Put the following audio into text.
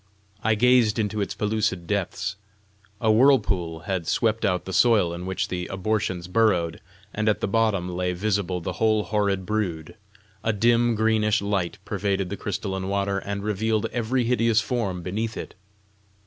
I gazed into its pellucid depths. A whirlpool had swept out the soil in which the abortions burrowed, and at the bottom lay visible the whole horrid brood: a dim greenish light pervaded the crystalline water, and revealed every hideous form beneath it.